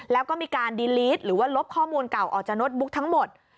แล้วก็มีการดีลีสหรือว่าลบข้อมูลเก่าออกจากโน้ตบุ๊กทั้งหมด